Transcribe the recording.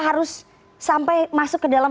harus sampai masuk ke dalam